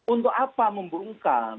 untuk apa membungkam